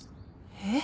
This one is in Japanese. えっ？